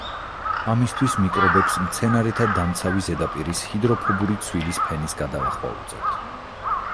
ამისთვის მიკრობებს მცენარეთა დამცავი ზედაპირის ჰიდროფობური ცვილის ფენის გადალახვა უწევთ.